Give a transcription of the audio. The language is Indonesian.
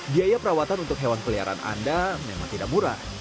biaya perawatan untuk hewan peliharaan anda memang tidak murah